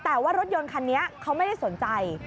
แต่ว่ารถยนต์คันนี้เขาไม่ได้สนใจ